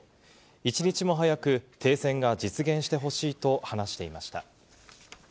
一日も早く停戦が実現してほしいと話していました。